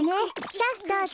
さあどうぞ。